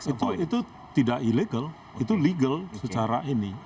itu tidak ilegal itu legal secara ini